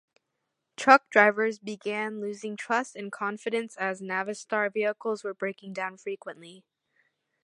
Truck drivers began losing trust and confidence as Navistar vehicles were breaking down frequently.